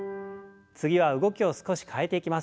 次は動きを少し変えていきます。